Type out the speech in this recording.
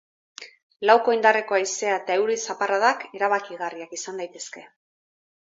Lauko indarreko haizea eta euri zaparradak erabakigarriak izan daitezke.